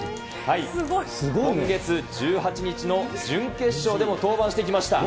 今月１８日の準決勝でも登板してきました。